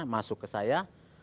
masuk ke saya